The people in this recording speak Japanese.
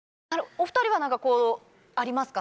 お２人は、なんかこう、ありますか？